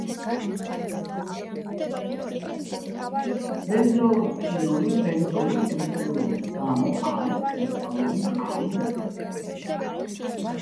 რეზორქინოლი ბენზოლის შემცველობის გამო არის კრისტალური მყარი ნივთიერება.